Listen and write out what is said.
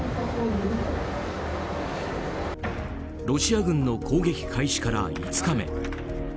ロシア軍の攻撃開始から５日目